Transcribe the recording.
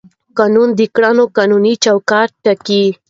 قانون د کړنو قانوني چوکاټ ټاکي.